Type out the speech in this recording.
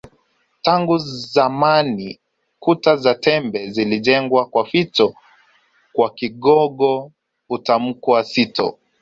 Tangu zamani kuta za tembe zilijengwa kwa fito kwa Kigogo hutamkwa sito